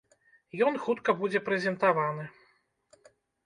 Ён хутка будзе прэзентаваны.